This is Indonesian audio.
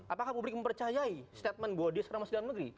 apakah publik mempercayai statement bahwa dia sekarang masih dalam negeri